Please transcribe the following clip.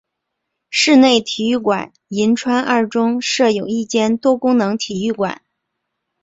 室内体育馆银川二中设有一间多功能体育馆。